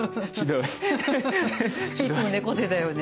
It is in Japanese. いつも猫背だよね。